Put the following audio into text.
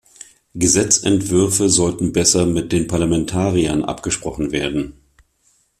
Gesetzentwürfe sollten besser mit den Parlamentariern abgesprochen werden.